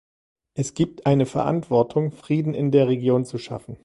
Es gibt eine Verantwortung, Frieden in der Region zu schaffen.